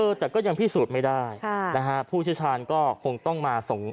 แต่ก็ยังพิสูจน์ไม่ได้ค่ะนะฮะผู้เชี่ยวชาญก็คงต้องมาส่ง